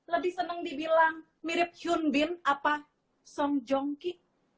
lebih senang dibilang mirip hyun bin apa song jong ki